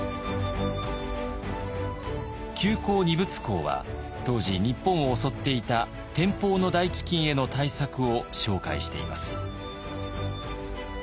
「救荒二物考」は当時日本を襲っていた天保の大飢饉への対策を紹介しています。